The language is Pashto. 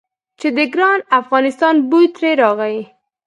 چې د ګران افغانستان بوی ترې راغی.